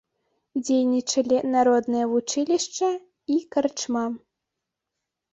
Дзейнічалі народнае вучылішча і карчма.